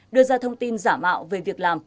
đưa ra thông tin giả mạo về việc làm